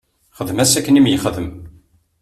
Xdem-as akken i m-yexdem.